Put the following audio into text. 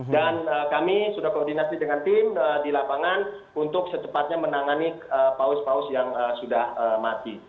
dan kami sudah koordinasi dengan tim di lapangan untuk secepatnya menangani paus paus yang sudah mati